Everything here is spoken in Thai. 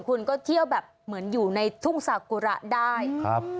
คุณก็เที่ยวแบบเหมือนอยู่ในทุ่งสากุระได้ครับ